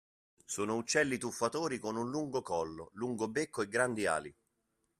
Sono uccelli tuffatori con un lungo collo, lungo becco e grandi ali.